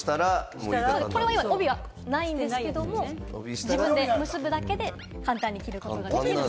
これは今、帯はないんですけれども、結ぶだけで簡単に着ることができると。